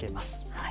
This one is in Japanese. はい。